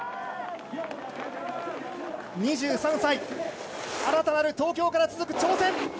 ２３歳新たなる東京から続く挑戦。